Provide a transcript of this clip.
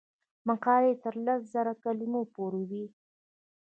مقالې تر لس زره کلمو پورې وي.